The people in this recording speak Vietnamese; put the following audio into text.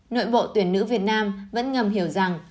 nội bộ tuyển nữ việt nam vẫn ngầm hiểu rằng